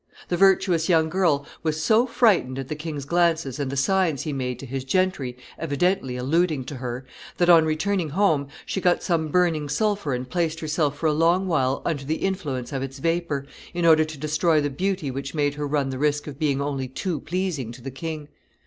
The virtuous young girl was so frightened at the king's glances and the signs he made to his gentry, evidently alluding to her, that, on returning home, she got some burning sulphur and placed herself for a long while under the influence of its vapor, in order to destroy the beauty which made her run the risk of being only too pleasing to the king.